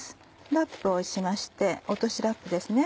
ラップをしまして落としラップですね。